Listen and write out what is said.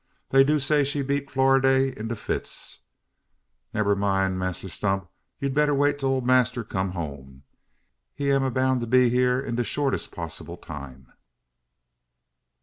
Dey do say she beat Florinday into fits. Nebba mind, Mass 'Tump, you better wait till ole massr come home. He am a bound to be hya, in de shortess poss'ble time."